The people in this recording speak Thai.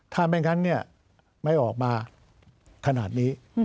ถ้าไม่งั้นไม่ออกมาขนาดนี้